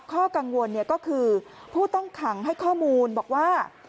ข้อกังวลก็คือผู้ต้องขังให้ข้อมูลบอกว่า